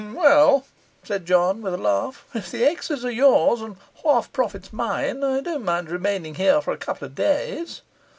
'Well,' said John, with a laugh, 'if the ex s are yours, and half profits mine, I don't mind remaining here for a couple of days.